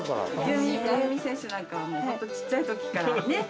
夕湖選手なんかはもう本当にちっちゃい時からねっ！